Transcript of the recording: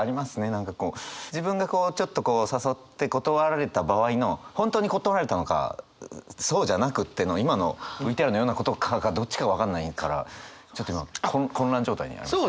何かこう自分がちょっと誘って断られた場合の本当に断られたのかそうじゃなくっての今のＶＴＲのようなことかどっちか分かんないからちょっと今混乱状態になりました。